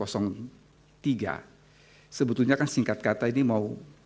sebetulnya kan singkat kata ini mau